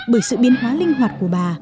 bởi sự biên hóa linh hoạt của bà